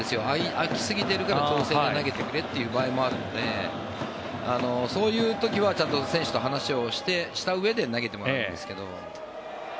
空きすぎているから、調整で投げてくれというのもあるのでそういう時はちゃんと選手と話をしたうえで投げてもらうんですけど。